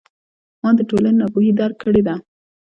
ما د ټولنې ناپوهي درک کړې ده.